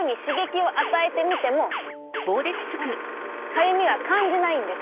ほらかゆみは感じないんです。